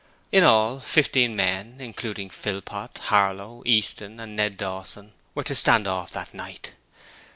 In all, fifteen men including Philpot, Harlow, Easton and Ned Dawson, were to 'stand off' that night.